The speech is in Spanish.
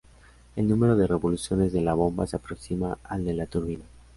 El número de revoluciones de la bomba se aproxima al de la turbina.